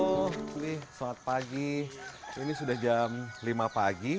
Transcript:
halo ini saat pagi ini sudah jam lima pagi